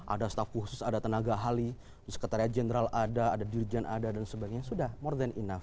ada staff khusus ada tenaga ahli sekretariat jenderal ada ada dirjen ada dan sebagainya sudah more than enoug